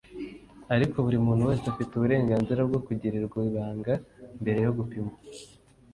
ariko buri muntu wese afite uburenganzira bwo kugirirwa ibanga mbere yo gupimwa.